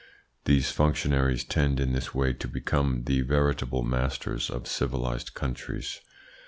These functionaries tend in this way to become the veritable masters of civilised countries.